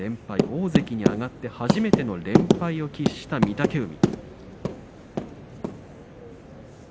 大関に上がって初めての連敗を喫した御嶽海。